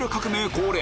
恒例